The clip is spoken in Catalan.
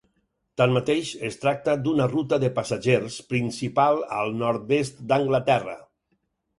Tanmateix, es tracta d'una ruta de passatgers principal al nord-est d'Anglaterra.